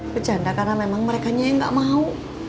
bercanda karena memang merekanya yang nggak mau